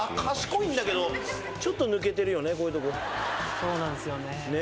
そうなんすよね。